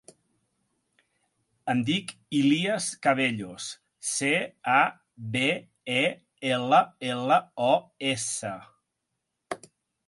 Em dic Ilías Cabellos: ce, a, be, e, ela, ela, o, essa.